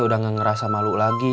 udah gak ngerasa malu lagi